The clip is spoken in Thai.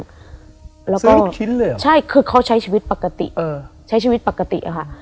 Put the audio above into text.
ซื้อลูกชิ้นเลยเหรออเรนนี่ใช่คือเขาใช้ชีวิตปกติใช้ชีวิตปกติอะค่ะ